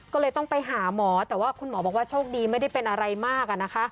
ก็เลยต้องไปหาหมอแต่ว่าคุณหมอบอกว่าโชคดีไม่ได้เป็นอะไรมาก